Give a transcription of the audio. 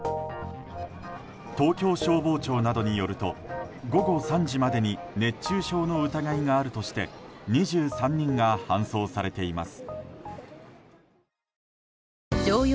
東京消防庁などによると午後３時までに熱中症の疑いがあるとして２３人が搬送されています。